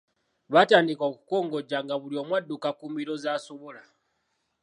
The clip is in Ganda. Batandika okukongojja nga buli omu adduka ku mbiro z’asobola.